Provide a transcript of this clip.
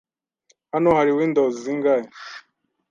Hano hari Windows zingahe?